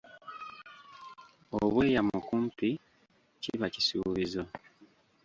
Obweyamo kumpi kiba kisuubizo.